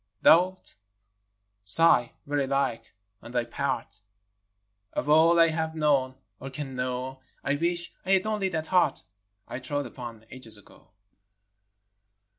Thou 'It sigh, very like, on thy part, " Of all I have known or can know, I wish I had only that Heart I trod upon ages ago